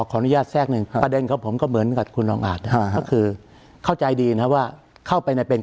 ขออนุญาตแซกหนึ่งประเด็นของผมก็เหมือนกับคุณลองอาจนะ